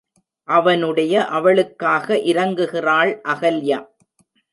அவனுடைய அவளுக்காக இரங்குகிறாள் அகல்யா.